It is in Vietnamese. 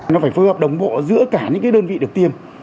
nó phải phương hợp đồng bộ giữa cả những đơn vị được tiêm